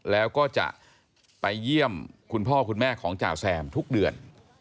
แล้วก็จะไปเยี่ยมคุณพ่อคุณแม่ของจ่าแซมทุกเดือน